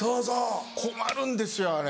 困るんですよあれ。